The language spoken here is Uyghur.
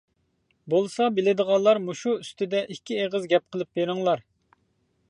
بولسا بىلىدىغانلار مۇشۇ ئۈستىدە ئىككى ئېغىز گەپ قىلىپ بىرىڭلار.